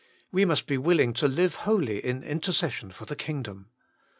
We must be willing to live wholly in intercession for the kingdom.